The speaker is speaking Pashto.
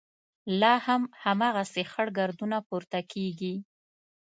لا هم هماغسې خړ ګردونه پورته کېږي.